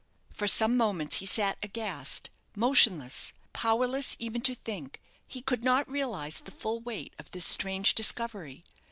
For some moments he sat aghast, motionless, powerless even to think. He could not realize the full weight of this strange discovery.